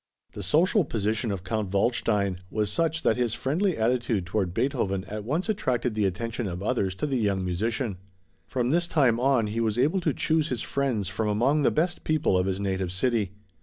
The social position of Count Waldstein was such that his friendly attitude toward Beethoven at once attracted the attention of others to the young musician. From this time on he was able to choose his friends from among the best people of his native city.